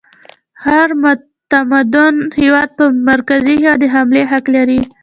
هر متمدن هیواد پر کمزوري هیواد د حملې حق لري.